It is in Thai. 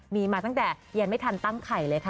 มีมาตั้งแต่เย็นไม่ทันตั้งไข่เลยค่ะ